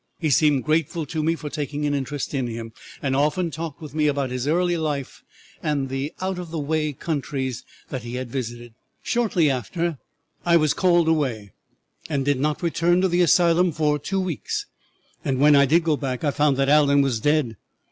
He seemed grateful to me for taking an interest in him, and often talked with me about his early life and the out of the way countries he had visited. Shortly after I was called away and did not return to the asylum for two weeks, and when I did go back I found that Allen was dead.